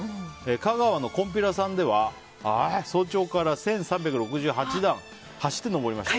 香川の金毘羅さんでは早朝から１３６８段走って登りました。